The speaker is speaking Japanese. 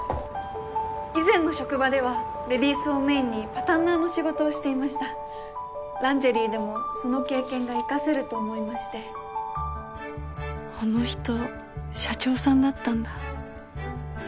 以前の職場ではレディースをメインにパタンナーの仕事をしていましたランジェリーでもその経験が生かせると思いましてあの人社長さんだったんだ